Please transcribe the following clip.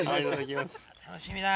楽しみだ。